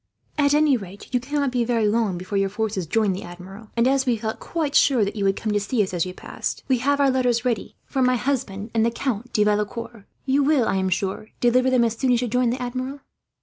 At any rate, you cannot be very long before your force joins the Admiral; and as we felt quite sure that you would come to see us, as you passed, we have our letters ready to my husband and the Count de Valecourt. You will, I am sure, deliver them as soon as you join the Admiral."